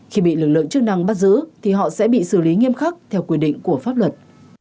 khi bị lực lượng chức năng bắt giữ thì họ sẽ bị xử lý nghiêm khắc theo quy định của pháp luật